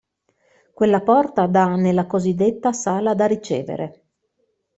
Quella porta dà nella cosiddetta sala da ricevere.